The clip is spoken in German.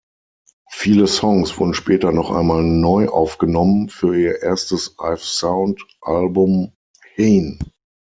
Viele Songs wurden später noch einmal neu aufgenommen für ihr erstes I've-Sound-Album "Hane".